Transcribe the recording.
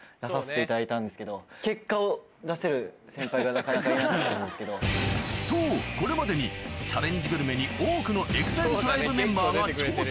今日はどうしてもがあるそうでそうこれまでにチャレンジグルメに多くのＥＸＩＬＥＴＲＩＢＥメンバーが挑戦